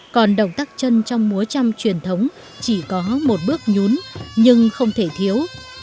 còn động tác chân trong múa trăm truyền thống chỉ có một bước nhún nhưng không thể thiếu